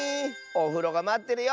「おふろがまってるよ」